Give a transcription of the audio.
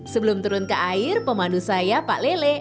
sebelum turun ke air pemandu saya pak lele